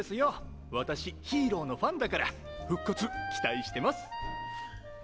私ヒーローのファンだから復活期待してます！